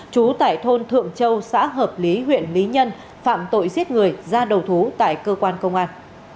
trú tại thôn thượng châu xã hợp lý huyện lý nhân phạm tội giết người ra đầu thú tại cơ quan công an